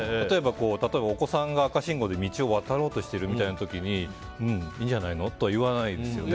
例えば、お子さんが赤信号で道を渡ろうとしている時にいいんじゃないの？とは言わないですよね。